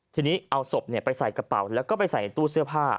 ทีนี้เอาศพไปใส่กระเป๋าแล้วก็ไปใส่ในตู้เสื้อผ้า